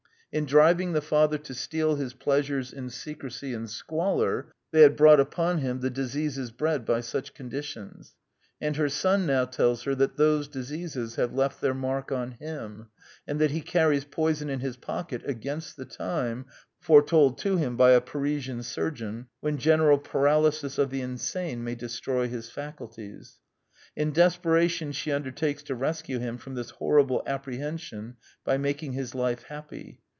In driving the father to steal his pleasures in secrecy and squalor, they had brought upon him the diseases bred by such conditions ; and her son now tells her that those diseases have left their mark on him, and that he carries poison in his pocket against the time, foretold to him by a Parisian surgeon, when general paralysis of the insane may destroy his faculties. In desperation she undertakes to rescue him from this horrible apprehension by making his life happy.